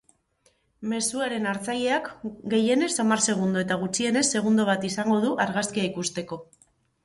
Mezuaren hartzaileak gehienez hamar segundo eta gutxienez segundo bat izango du argazkia ikusteko.